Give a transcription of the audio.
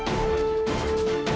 pertama data sembilan